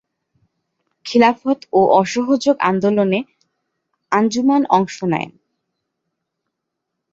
খিলাফত ও অসহযোগ আন্দোলনে আঞ্জুমান অংশ নেয়।